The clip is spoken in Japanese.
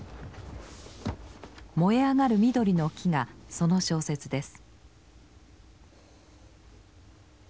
「燃えあがる緑の木」がその小説です。